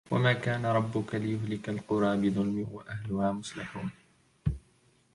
وما كان ربك ليهلك القرى بظلم وأهلها مصلحون